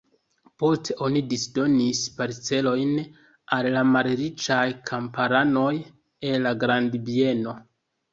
Poste oni disdonis parcelojn al la malriĉaj kamparanoj el la grandbieno.